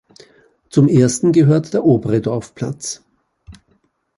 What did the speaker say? Zum ersten gehört der obere Dorfplatz.